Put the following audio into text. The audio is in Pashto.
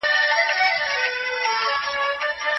د هوټل په شنه لوحه باندې د خیرخانې هوټل نوم ښه ځلېده.